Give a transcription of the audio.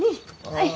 はい。